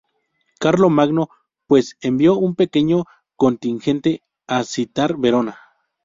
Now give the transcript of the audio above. Carlomagno, pues, envió un pequeño contingente a sitiar Verona.